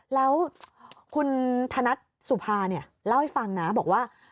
แล้วคุณธนัทสุภาเนี่ยเล่าให้ฟังนะบอกว่า